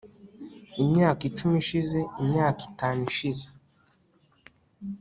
imyaka icumi ishize, imyaka itanu ishize